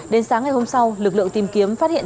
đến sáng ngày hôm sau lực lượng tìm kiếm phát hiện